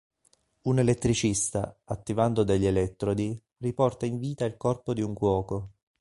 Un elettricista, attivando degli elettrodi, riporta in vita il corpo di un cuoco.